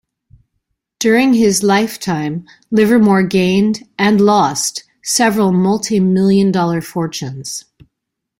During his lifetime, Livermore gained and lost several multimillion-dollar fortunes.